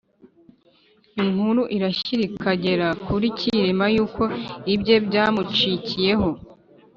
inkuru irashyira igera kuri cyilima y'uko ibye byamucikiyeho